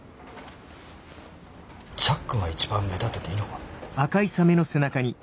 チャックが一番目立ってていいのか？